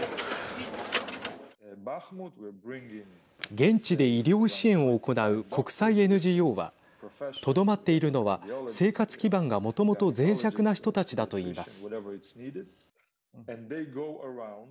現地で医療支援を行う国際ＮＧＯはとどまっているのは生活基盤がもともとぜい弱な人たちだと言います。